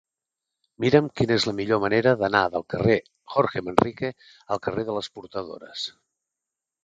Mira'm quina és la millor manera d'anar del carrer de Jorge Manrique al carrer de les Portadores.